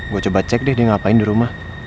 gua coba cek deh dia ngapain di rumah